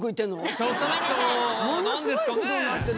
ちょっとなんですかね？